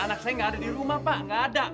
anak saya nggak ada di rumah pak nggak ada